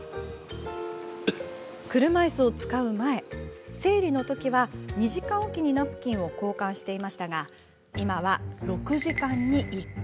車いすを使う前、生理のときは２時間置きにナプキンを交換していましたが今は６時間に１回。